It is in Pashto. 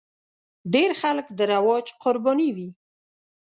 ډېر خلک د رواج قرباني وي.